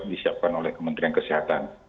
disiapkan oleh kementerian kesehatan